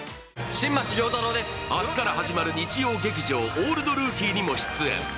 明日から始まる日曜劇場「オールドルーキー」にも出演。